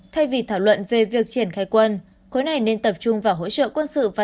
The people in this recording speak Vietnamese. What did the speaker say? thay vì thảo luận về việc triển khai quân khối này nên tập trung vào hỗ trợ quân sự và